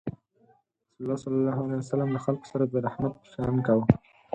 رسول الله صلى الله عليه وسلم د خلکو سره د رحمت چلند کاوه.